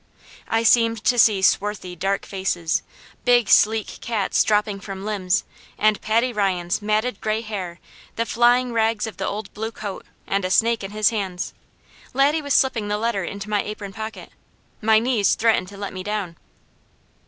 I seemed to see swarthy, dark faces, big, sleek cats dropping from limbs, and Paddy Ryan's matted gray hair, the flying rags of the old blue coat, and a snake in his hands. Laddie was slipping the letter into my apron pocket. My knees threatened to let me down.